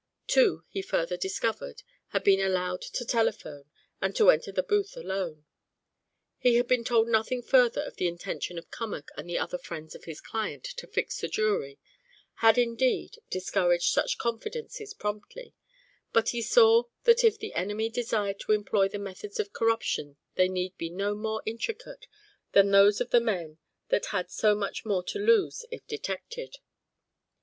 Two, he further discovered, had been allowed to telephone and to enter the booth alone. He had been told nothing further of the intention of Cummack and other friends of his client to "fix" the jury had, indeed, discouraged such confidences promptly; but he saw that if the enemy desired to employ the methods of corruption they need be no more intricate than those of the men that had so much more to lose if detected.